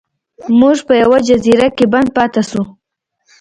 موږ په یوه جزیره کې بند پاتې شو.